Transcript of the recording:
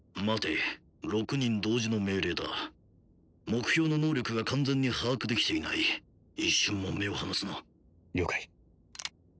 待て６人同時の命令だ目標の能力が完全に把握できていない一瞬も目を離すな・